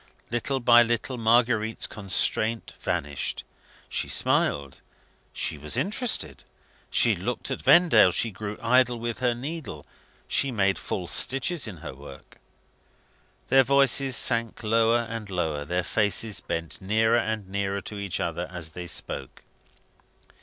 Little by little, Marguerite's constraint vanished. She smiled, she was interested, she looked at Vendale, she grew idle with her needle, she made false stitches in her work. Their voices sank lower and lower; their faces bent nearer and nearer to each other as they spoke.